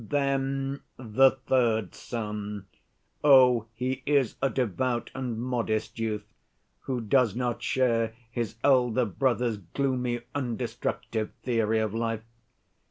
"Then the third son. Oh, he is a devout and modest youth, who does not share his elder brother's gloomy and destructive theory of life.